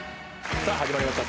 さぁ始まりました